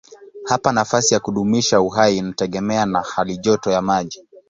Hapa nafasi ya kudumisha uhai inategemea na halijoto ya maji.